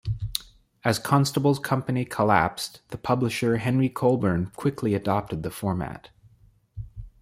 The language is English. As Constable's company collapsed, the publisher Henry Colburn quickly adopted the format.